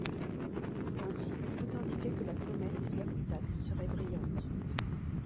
Ainsi, tout indiquait que la comète Hyakutake serait brillante.